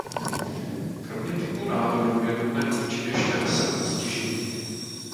Kromě typu nádoru je nutné určit ještě rozsah postižení.